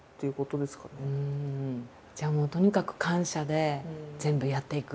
じゃあもうとにかく感謝で全部やっていく。